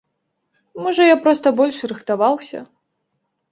Можа, я проста больш рыхтаваўся.